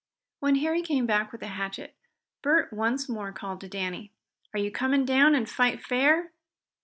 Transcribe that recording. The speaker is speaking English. When Harry came back with the hatchet Bert once more called to Danny. "Are you coming down and fight fair?